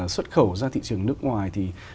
xuất khẩu ra thị trường nước ngoài thì